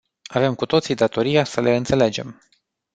Avem cu toții datoria să le înțelegem.